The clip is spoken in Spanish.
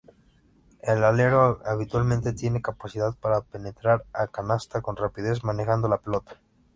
El alero habitualmente tiene capacidad para penetrar a canasta con rapidez manejando la pelota.